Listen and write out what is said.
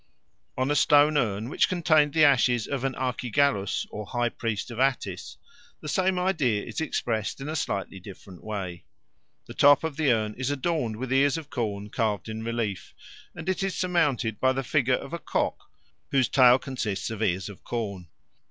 On a stone urn, which contained the ashes of an Archigallus or high priest of Attis, the same idea is expressed in a slightly different way. The top of the urn is adorned with ears of corn carved in relief, and it is surmounted by the figure of a cock, whose tail consists of ears of corn.